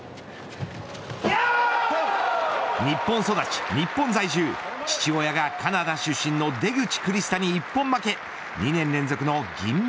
日本育ち日本在住父親がカナダ出身の出口クリスタに一本負け。